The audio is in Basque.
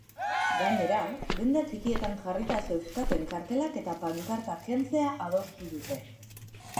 Gainera, denda txikietan jarrita zeuzkaten kartelak eta pankartak kentzea adostu dute.